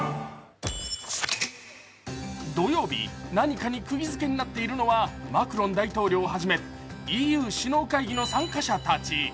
土曜日、何かにクギづけになっているのはマクロン大統領はじめＥＵ首脳会議の参加者たち。